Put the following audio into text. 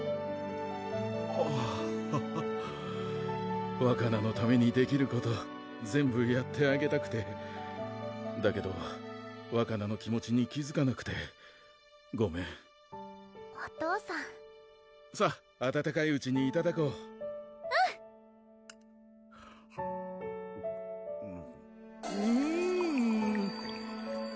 あぁハハハわかなのためにできること全部やってあげたくてだけどわかなの気持ちに気づかなくてごめんお父さんさぁ温かいうちにいただこううんうん！